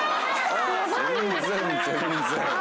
全然全然。